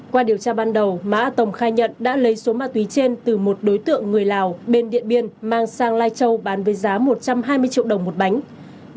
qua điều tra ban đầu má a tồng khai nhận đã lấy số ma túy trên từ một đối tượng người lào bên điện biên mang sang lai châu bán với giá một trăm hai mươi triệu đồng một bánh